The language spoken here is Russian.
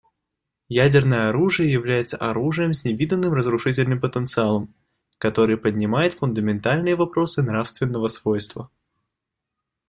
Ядерное оружие является оружием с невиданным разрушительным потенциалом, который поднимает фундаментальные вопросы нравственного свойства.